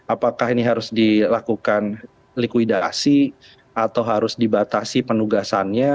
apakah ini harus dilakukan likuidasi atau harus dibatasi penugasannya